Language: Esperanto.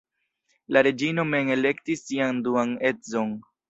La reĝino mem elektis sian duan edzon.